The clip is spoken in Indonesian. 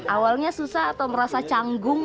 awalnya susah atau merasa canggung